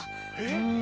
うん。